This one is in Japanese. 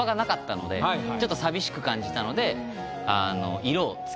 ちょっと寂しく感じたので。